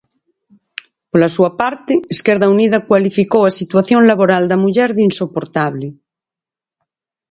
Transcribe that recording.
Pola súa parte, Esquerda Unida cualificou a situación laboral da muller de insoportable.